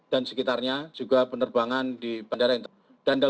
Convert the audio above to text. sekitarnya juga penerbangan di bandara internasional